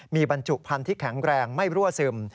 มีบรรจุพันธุ์ที่แข็งแรงไม่รั่วซึม